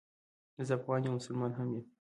زه افغان یم او مسلمان هم یم